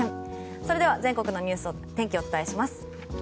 それでは全国の天気をお伝えします。